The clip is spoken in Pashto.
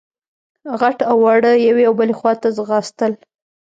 غټ او واړه يوې او بلې خواته ځغاستل.